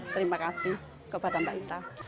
terima kasih kepada mbak ita